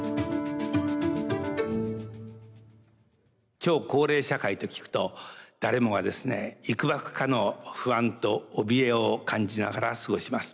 超高齢社会と聞くと誰もがですねいくばくかの不安とおびえを感じながら過ごします。